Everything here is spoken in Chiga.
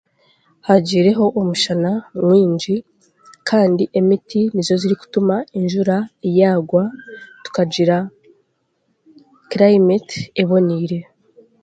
Haagiireho omushana mwingi kandi emiti nizo zirikutuma enjura yaagwa tukagira kirayimeti ebonaire